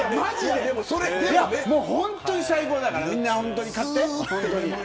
本当に最高だからみんな買って。